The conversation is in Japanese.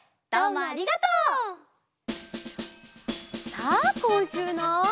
さあこんしゅうの。